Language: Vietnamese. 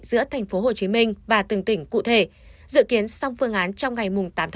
giữa tp hcm và từng tỉnh cụ thể dự kiến xong phương án trong ngày tám một mươi